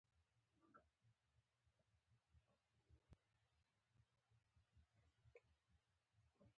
پاچاهانو څخه د فکري مالکیت حقونو د خوندیتوب غوښتنه کوله.